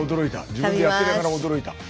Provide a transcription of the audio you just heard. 自分でやっていながら驚いた。